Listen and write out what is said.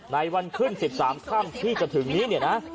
ในวันขึ้น๑๓ค่ำที่จะถึงนี้เนี่ยนะ